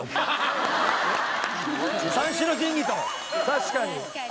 確かに。